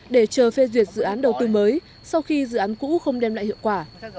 để chờ phê duyệt dự án đầu tư mới sau khi dự án cũ không đem lại hiệu quả